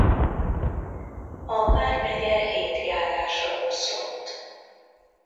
A vármegye hét járásra oszlott.